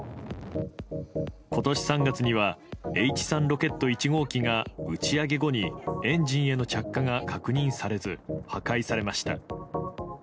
今年３月にはＨ３ロケット１号機が打ち上げ後にエンジンへの着火が確認されず破壊されました。